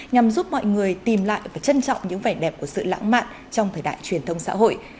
nhằm giúp mọi người tìm lại và trân trọng những vẻ đẹp của sự lãng mạn trong thời đại truyền thông xã hội